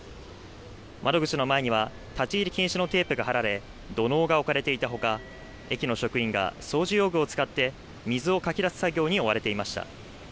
窓口の前には立ち入り禁止のテープが張られ土のうが置かれていたほか、駅の職員が掃除用具を使って水をかき出す作業に追われていました。